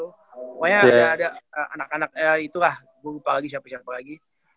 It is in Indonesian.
pokoknya ada anak anak itulah lupa lagi siapa siapa lagi